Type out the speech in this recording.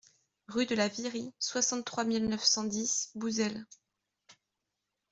Rue de la Virie, soixante-trois mille neuf cent dix Bouzel